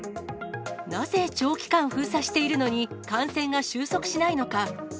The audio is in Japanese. なぜ長期間封鎖しているのに、感染が収束しないのか。